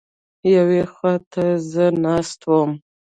یوې خوا ته زه ناست وم.